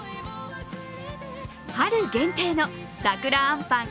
春限定の桜あんぱん。